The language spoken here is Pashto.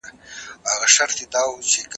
د خوشحالۍ لاملونه پیدا کړئ.